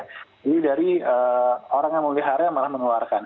jadi dari orang yang meliharnya malah mengeluarkan